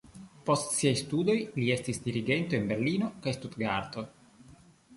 Post siaj studoj li estis dirigento en Berlino kaj Stutgarto.